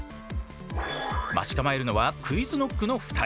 待ち構えるのはＱｕｉｚＫｎｏｃｋの２人。